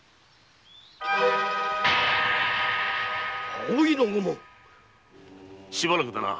葵の御紋⁉しばらくだな。